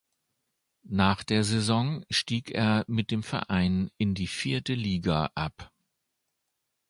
Nach der Saison stieg er mit dem Verein in die vierte Liga ab.